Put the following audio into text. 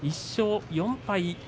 １勝４敗。